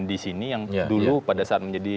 di sini yang dulu pada saat menjadi